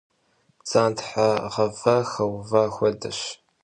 Bdzanthe ğeva xeuva xuedeş.